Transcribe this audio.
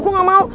gue gak mau